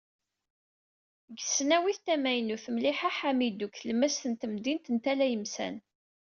Deg tesnawit tamaynut Mliḥa Hamidu deg tlemmast n temdint n Tala Yemsan.